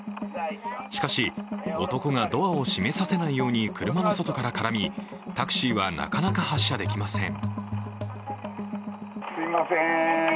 しかし、男がドアを閉めさせないように車の外から絡み、タクシーはなかなか発車できません。